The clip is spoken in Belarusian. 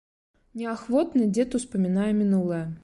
Неахвотна дзед успамінае мінулае.